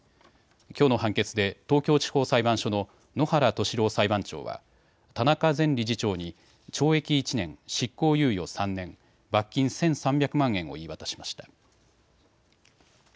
きょうの判決で東京地方裁判所の野原俊郎裁判長は田中前理事長に懲役１年、執行猶予３年、罰金１３００万円を言い渡しました。